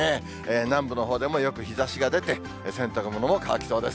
南部のほうでもよく日ざしが出て、洗濯物も乾きそうです。